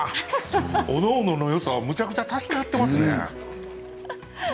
おのおののよさをめちゃくちゃ助け合っていますね。